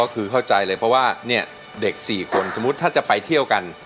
เพราะว่าเนี่ยเด็ก๔คนสมมุติถ้าจะไปเที่ยวกัน